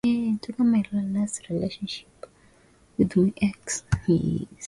Tayari ilikua saa tano na nusu asubuhi na kikao kilifanyika ndani ya majengo